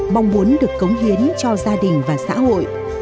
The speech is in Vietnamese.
mong muốn được cống hiến cho gia đình và xã hội